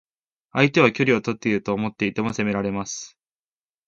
相手は距離をとっていると思っていても攻められます。